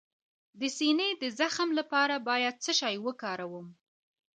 د سینې د زخم لپاره باید څه شی وکاروم؟